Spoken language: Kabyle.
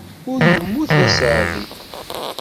Ur yemmut d aseɛdi.